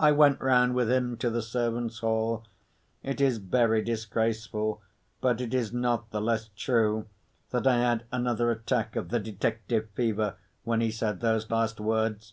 I went round with him to the servants' hall. It is very disgraceful, but it is not the less true, that I had another attack of the detective fever, when he said those last words.